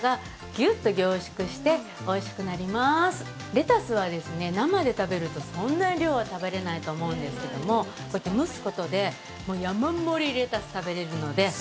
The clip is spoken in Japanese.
レタスは、生で食べるとそんなに量は食べれないと思うんですけどもこうやって蒸すことで山盛りレタスを食べれるので。